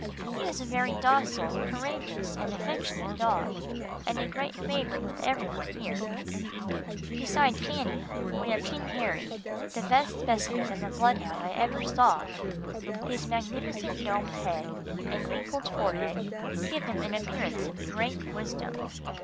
He is a very docile, courageous and affectionate dog, and a great favourite with every one here. Beside Cannie, we have King Harry, the best specimen of a bloodhound I ever saw. His magnificent domed head, and wrinkled forehead give him an appearance of great wisdom.